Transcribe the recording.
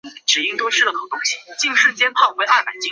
周六时段剧集周末时段剧集